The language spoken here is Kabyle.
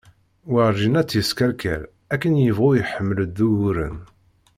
Warǧin ad tt-yeskeṛkeṛ akken yebɣu iḥeml-d d uguren